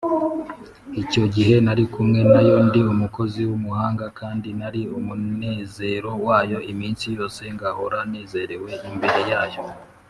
icyo gihe nari kumwe na yo ndi umukozi w’umuhanga, kandi nari umunezero wayo iminsi yose, ngahora nezerewe imbere yayo,